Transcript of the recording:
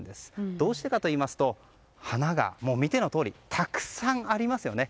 どうしてかといいますと花が、見てのとおりたくさんありますよね。